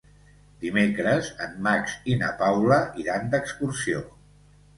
Dimecres en Max i na Paula iran d'excursió.